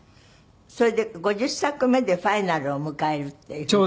それで５０作目でファイナルを迎えるっていう。